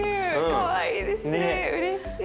かわいいですねうれしい。